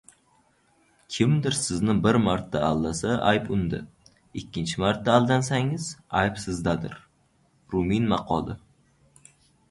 Kimdir sizni bir marta aldasa ayb unda. Ikkinchi marta aldansangiz, ayb sizdadir. Rumin maqoli